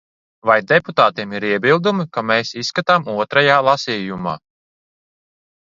Vai deputātiem ir iebildumi, ka mēs izskatām otrajā lasījumā?